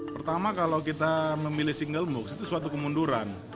pertama kalau kita memilih single moocs itu suatu kemunduran